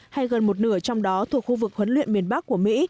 hay gần một nửa trong đó thuộc khu vực huấn luyện miền bắc của mỹ